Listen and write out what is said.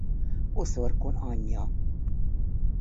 Oszorkon anyja.